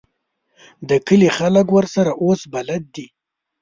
د کلي خلک ورسره اوس بلد دي.